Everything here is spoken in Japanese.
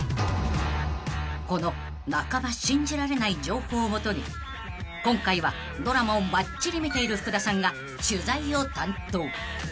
［この半ば信じられない情報を基に今回はドラマをばっちり見ている福田さんが取材を担当］